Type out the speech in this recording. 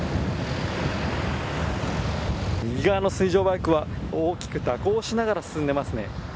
水上バイクは大きく蛇行しながら進んでいますね。